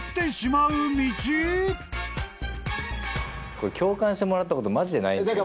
これ共感してもらったことマジでないんすけど。